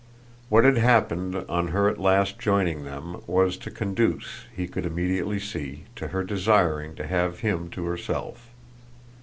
What had happened on her at last joining them was to conduce, he could immediately see, to her desiring to have him to herself.